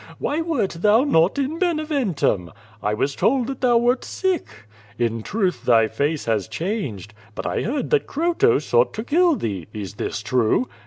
Why wert thou not in Bene ventum? I was told that thou wert sick. In truth thy face has changed. But I heard that Croto sought to kill thee. Is this true?"